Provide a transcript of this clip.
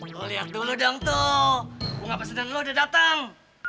lo lihat dulu dong tuh mengapa sedang lo udah datang